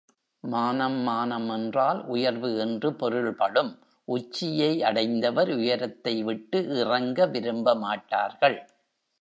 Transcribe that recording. மானம் மானம் என்றால் உயர்வு என்று பொருள்படும் உச்சியை அடைந்தவர் உயரத்தைவிட்டு இறங்க விரும்பமாட்டார்கள்.